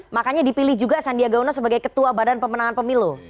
makanya dipilih juga sandiaga uno sebagai ketua badan pemenangan pemilu